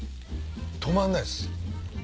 止まんないです。